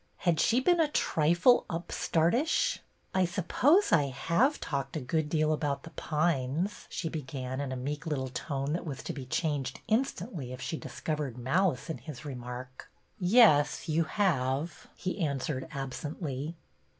Had she been a trifle upstartish? I suppose I have talked a good deal about The Pines," she began, in a meek little tone that was to be changed instantly if she. discovered malice in his remark. '' Yes, you have," he answered absently.